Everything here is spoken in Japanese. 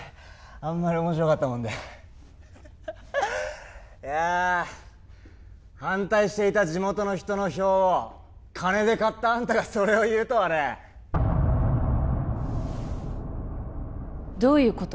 あんまり面白かったもんでいやあ反対していた地元の人の票を金で買ったあんたがそれを言うとはねどういうこと？